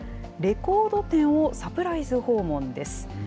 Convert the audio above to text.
レコード店をサプライズ訪問です。